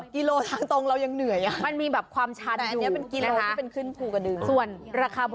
กิโลทางตรงเรายังเหนื่อยมันมีแบบความชัดอยู่นะครับ